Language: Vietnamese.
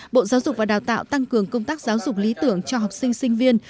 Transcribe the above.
bộ giáo dục và đào tạo tăng cường công tác giáo dục lý tưởng cho học sinh sinh viên